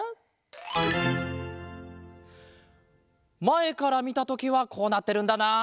まえからみたときはこうなってるんだなあ。